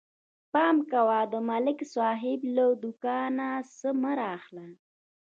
پام کوئ، د ملک صاحب له دوکان څه مه اخلئ.